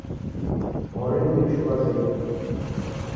Mori mmbisho ghwazoya idime.